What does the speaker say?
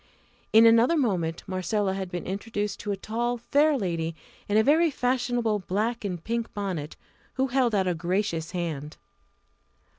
In another moment Marcella had been introduced to a tall, fair lady in a very fashionable black and pink bonnet, who held out a gracious hand.